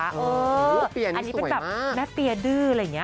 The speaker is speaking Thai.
อันนี้เป็นแบบแม่เปียดื้ออะไรอย่างนี้